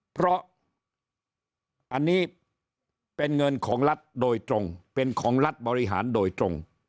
เพราะอันนี้เป็นเงินของรัฐโดยตรง